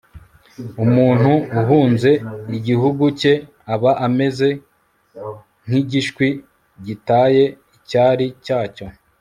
umuntu uhunze igihugu cye aba ameze nk'igishwi gitaye icyari cyacyo